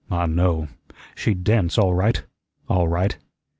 Ah, no. She'd dance all right all right.